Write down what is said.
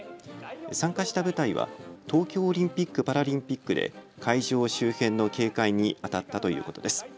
参加した部隊は東京オリンピック・パラリンピックで会場周辺の警戒にあたったということです。